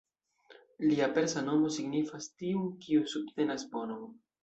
Lia persa nomo signifas ""tiun, kiu subtenas bonon"".